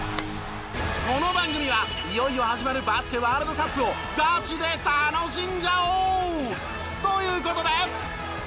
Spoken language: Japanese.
この番組はいよいよ始まるバスケワールドカップをガチで楽しんじゃおう！という事で。